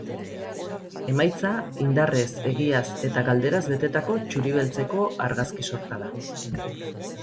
Emaitza indarrez, egiaz eta galderaz betetako txuri-beltzeko argazki sorta da.